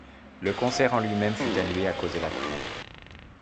Le concert en lui-même fut annulé à cause de la pluie.